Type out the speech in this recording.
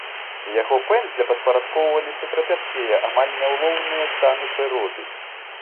Яго пэндзля падпарадкоўваліся трапяткія, амаль няўлоўныя станы прыроды.